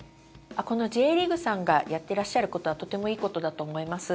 このＪリーグさんがやってらっしゃることはとてもいいことだと思います。